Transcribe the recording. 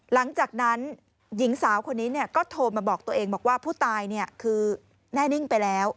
หลังจากนั้นหญิงสาวคนนี้ก็โทรมาบอกตัวเองบอกว่าผู้ตายคือแน่นิ่งไปแล้ว